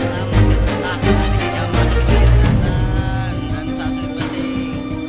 dan tamu masih tertanggung di jam delapan tiga puluh dan saat itu bersih